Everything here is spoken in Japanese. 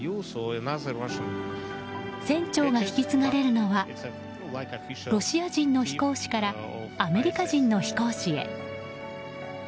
船長が引き継がれるのはロシア人の飛行士からアメリカ人の飛行士へ。